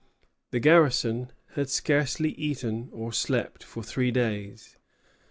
The garrison had scarcely eaten or slept for three days.